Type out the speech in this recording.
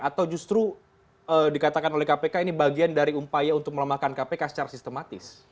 atau justru dikatakan oleh kpk ini bagian dari upaya untuk melemahkan kpk secara sistematis